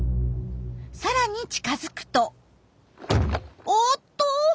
さらに近づくとおっと！